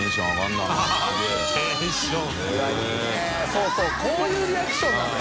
そうそうこういうリアクションなのよ。